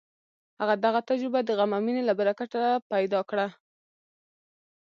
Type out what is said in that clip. هغه دغه تجربه د غم او مینې له برکته پیدا کړه